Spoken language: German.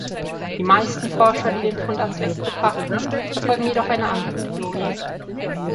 Die meisten Forscher, die den Fund als echt betrachten, verfolgen jedoch eine andere Theorie.